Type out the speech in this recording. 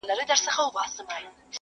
د کيسې دردناک اثر لا هم ذهن کي پاتې,